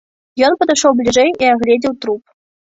Ён падышоў бліжэй і агледзеў труп.